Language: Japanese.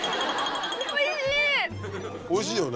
おいしいよね。